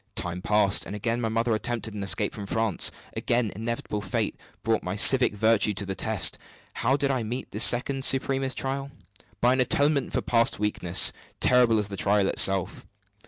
Time passed; and again my mother attempted an escape from France. Again, inevitable fate brought my civic virtue to the test. How did I meet this second supremest trial? By an atonement for past weakness, terrible as the trial itself.